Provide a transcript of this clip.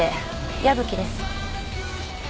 矢吹です。